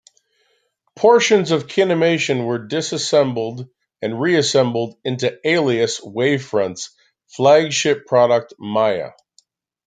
Portions of Kinemation were disassembled and re-assembled into Alias-Wavefront's flagship product Maya.